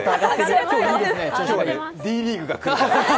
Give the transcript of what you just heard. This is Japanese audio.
今日はＤリーグが来るから。